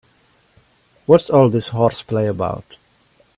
What's all this horseplay about?